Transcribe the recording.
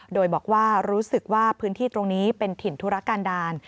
โดยบอกว่ารู้สึกว่าพื้นที่ตรงนี้เป็นถิ่นธุรการดาล